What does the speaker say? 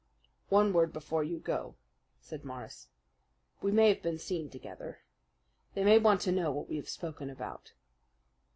"One word before you go," said Morris. "We may have been seen together. They may want to know what we have spoken about."